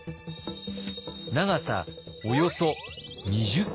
長さおよそ２０キロ。